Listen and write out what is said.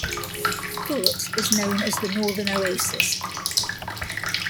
Boort is known as "The Northern Oasis".